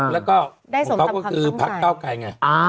แล้วก็ของเขาก็คือพรรคเก้าไกรไง